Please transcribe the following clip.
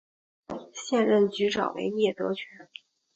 现任局长为聂德权。